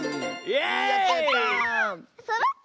やった！